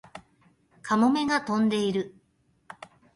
カモメが飛んでいる